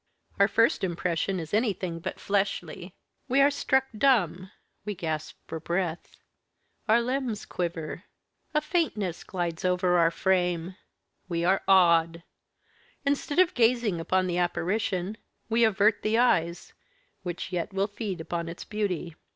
Our first impression is anything but fleshly. We are struck dumb we gasp for breath our limbs quiver a faintness glides over our frame we are awed; instead of gazing upon the apparition, we avert the eyes, which yet will feed upon its beauty.